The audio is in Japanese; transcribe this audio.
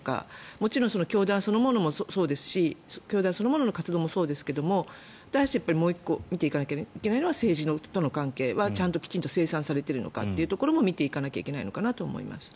もちろん教団そのものもそうですし教団そのものの活動もそうですが私たちがもう１個見ていかなきゃいけないのは政治との関係はきちんと清算されているのかというところは見ていかなきゃいけないのかなと思います。